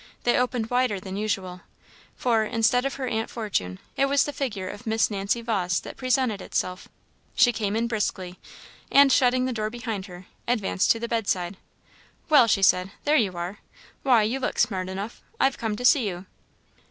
They opened wider than usual, for, instead of her Aunt Fortune, it was the figure of Miss Nancy Vawse that presented itself. She came in briskly, and, shutting the door behind her, advanced to the bedside. "Well," said she, "there you are! Why, you look smart enough. I've come to see you."